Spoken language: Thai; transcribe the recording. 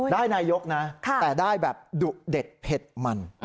นายกนะแต่ได้แบบดุเด็ดเผ็ดมัน